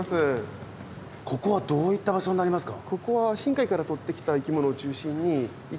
ここはどういった場所になりますか？